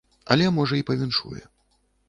Але можа і павіншуе.